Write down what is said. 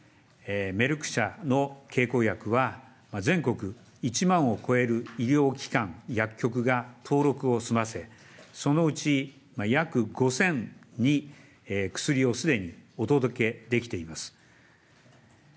メルク社の経口薬は、全国１万を超える医療機関、薬局が登録を済ませ、そのうち約５０００に薬をすでにお届けできています。